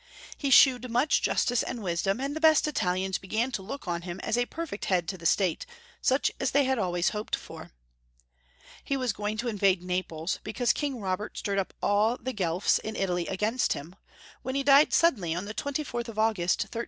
He shewed much justice and wisdom, and the best Italians began to look on him as a perfect head to the State, such as they had always hoped for. He was going to in vade Naples, because King Robert stirred up all the Guelfs in Italy against him, when he died sud denly on the 24th of August, 1313.